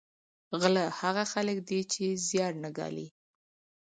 غله هغه خلک دي چې زیار نه ګالي